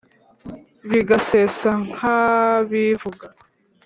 bigasesa nkabivuga